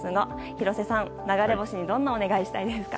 廣瀬さん、流れ星にどんなお願い事をしたいですか？